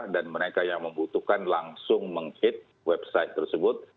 dan mereka yang membutuhkan langsung meng hit website tersebut